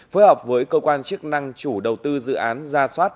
phối hợp với cơ quan chức năng chủ đầu tư dự án ra soát